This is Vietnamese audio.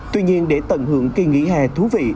tuy nhiên để tận hưởng kỳ nghỉ hè thú vị